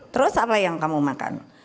terus apa yang kamu makan